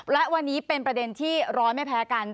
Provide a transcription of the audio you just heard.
และวันนี้เป็นประเด็นที่ร้อนไม่แพ้กัน